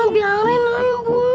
biarin lah ya bu